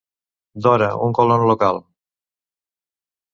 D'hora, un colon local.